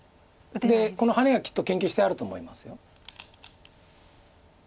でこのハネはきっと研究してあると思います。